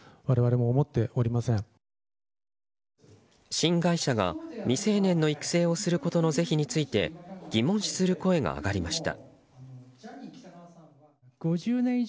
新会社が未成年の育成をすることの是非について疑問視する声が上がりました。